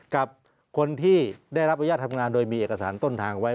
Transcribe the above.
กับคนที่ได้รับอนุญาตทำงานโดยมีเอกสารต้นทางไว้